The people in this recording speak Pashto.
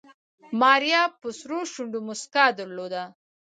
ماريا په سرو شونډو موسکا درلوده.